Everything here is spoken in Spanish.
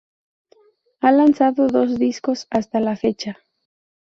Ha lanzado dos discos hasta la fecha.